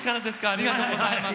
ありがとうございます。